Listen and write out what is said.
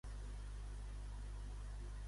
Doncs, qui era Butes?